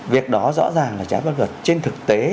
việc đó rõ ràng là trái pháp luật trên thực tế